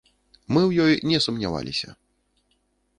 Мы ў ёй не сумняваліся.